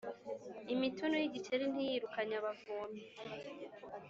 Imitunu y’igikeri ntiyirukanye abavomyi.